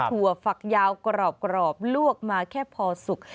ถั่วฝักยาวกรอบลวกมาแค่พอสุก